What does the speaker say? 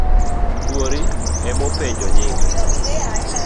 Chuori emopenjo nyinge.